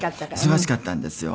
忙しかったんですよ。